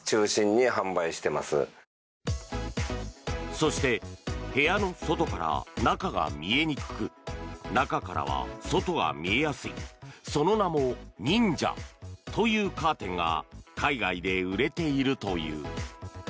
そして、部屋の外から中が見えにくく中からは外が見えやすいその名もＮｉｎｊａというカーテンが海外で売れているという。